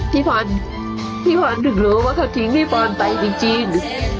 พี่พรถึงรู้ว่าเขาทิ้งพี่พรไปจริง